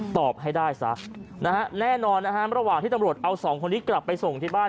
ตอบให้ได้ซะนะฮะแน่นอนนะฮะระหว่างที่ตำรวจเอาสองคนนี้กลับไปส่งที่บ้าน